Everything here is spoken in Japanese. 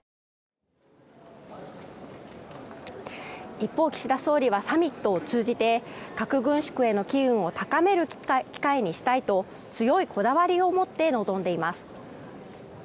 一方、岸田総理はサミットを通じて核軍縮への機運を高める機会にしたいと強いこだわりを持って臨んでいます。